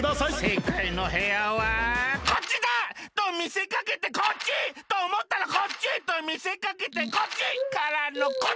せいかいの部屋はこっちだ！とみせかけてこっち！とおもったらこっち！とみせかけてこっち！からのこっちだ！